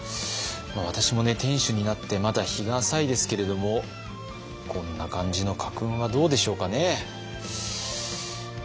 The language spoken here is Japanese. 私もね店主になってまだ日が浅いですけれどもこんな感じの家訓はどうでしょうかね。